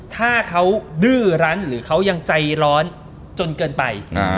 ถ้าเขาดื้อรั้นหรือเขายังใจร้อนจนเกินไป